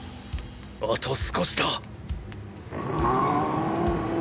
あと少しだ。